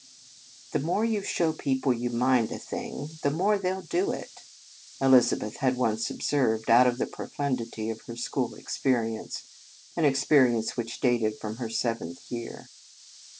"The more you show people you mind a thing, the more they 11 do it; " Elizabeth had once observed out of the profundity of her school experience, an experience which dated from her seventh year.